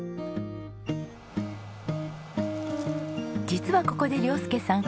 実はここで亮佑さん